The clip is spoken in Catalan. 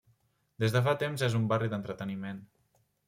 Des de fa temps és un barri d'entreteniment.